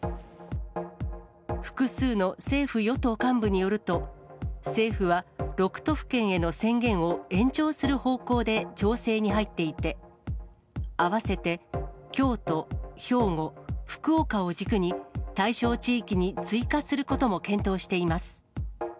複数の政府・与党幹部によると、政府は６都府県への宣言を延長する方向で調整に入っていて、あわせて京都、兵庫、福岡を軸に、対象地域に追加することも検討しています。